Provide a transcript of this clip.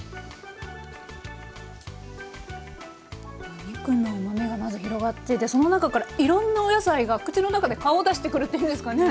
お肉のうまみがまず広がっていてその中からいろんなお野菜が口の中で顔を出してくるっていうんですかね。